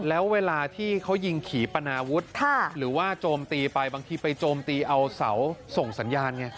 แล้วเวลาที่เขายิงขี่ปนาวุฒิหรือว่าโจมตีไปบางทีไปโจมตีเอาเสาส่งสัญญาณไง